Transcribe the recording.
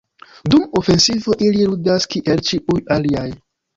Dum ofensivo ili ludas kiel ĉiuj aliaj.